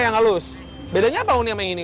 yang halus bedanya apa uni sama yang ini